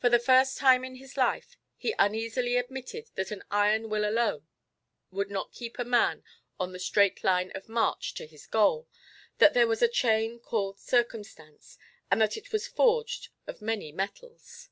For the first time in his life, he uneasily admitted that an iron will alone would not keep a man on the straight line of march to his goal, that there was a chain called Circumstance, and that it was forged of many metals.